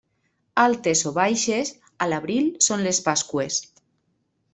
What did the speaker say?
Altes o baixes, a l'abril són les Pasqües.